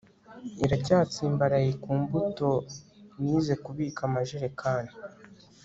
iracyatsimbaraye ku mbuto Nize kubika amajerekani